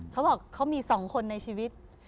เขาบอกเขามี๒คนในชีวิต